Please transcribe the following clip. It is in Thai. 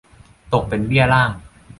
ตกเป็นเบี้ยล่าง